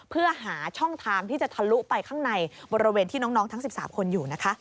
เพื่อหาช่องทางที่จะทะลุไปข้างในบริเวณที่น้องทั้ง๑๓คนอยู่นะคะ